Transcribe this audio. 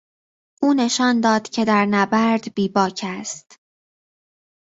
او نشان داد که در نبرد بیباک است.